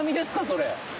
それ。